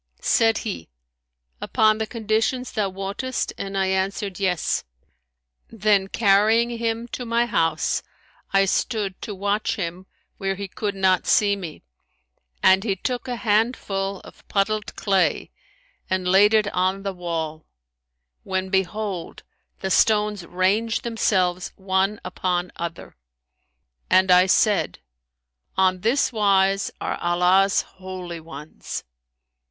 Said he, Upon the conditions thou wottest;' and I answered Yes!' Then carrying him to my house I stood to watch him where he could not see me; and he took a handful of puddled clay and laid it on the wall, when, behold, the stones ranged themselves one upon other; and I said, On this wise are Allah's holy ones.'